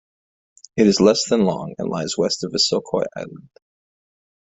It is less than long, and lies west of Visokoi Island.